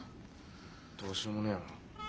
どうしようもねえよな。